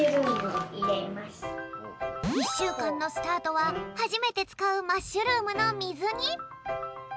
１しゅうかんのスタートははじめてつかうマッシュルームのみずに。